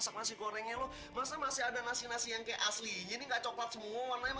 sampai jumpa di video selanjutnya